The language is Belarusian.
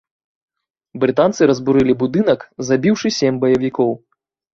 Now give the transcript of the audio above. Брытанцы разбурылі будынак, забіўшы сем баевікоў.